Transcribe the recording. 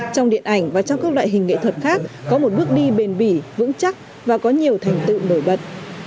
trong điện ảnh và trong các loại hình nghệ thuật khác có một bước đi bền bỉ vững chắc và có nhiều thành tựu nổi bật